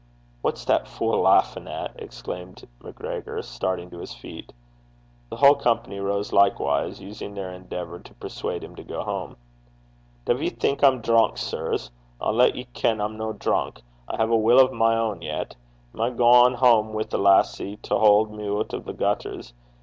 'What's the bitch lauchin' at?' exclaimed MacGregor, starting to his feet. The whole company rose likewise, using their endeavour to persuade him to go home. 'Duv ye think I'm drunk, sirs? I'll lat ye ken I'm no drunk. I hae a wull o' mine ain yet. Am I to gang hame wi' a lassie to haud me oot o' the gutters?